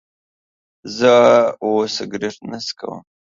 زه اوس سيګرټ نه سکم